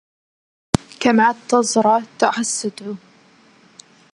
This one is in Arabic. كما تزرع تحصد.